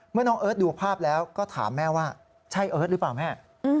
น้องเอิร์ทดูภาพแล้วก็ถามแม่ว่าใช่เอิร์ทหรือเปล่าแม่